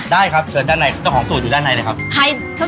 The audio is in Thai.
ได้ครับเจอด้านใดของส่วนจุดใดเลยครับ